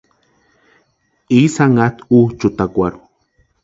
Isï janhatʼi úchʼutakwarhu.